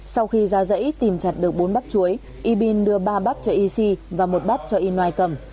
sau khi ra dãy tìm chặt được bốn bắp chuối ybin đưa ba bắp cho ysi và một bắp cho ynoanye cầm